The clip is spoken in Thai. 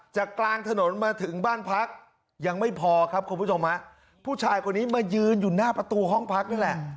กลางถนนมาถึงบ้านพักยังไม่พอครับคุณผู้ชมฮะผู้ชายคนนี้มายืนอยู่หน้าประตูห้องพักนั่นแหละ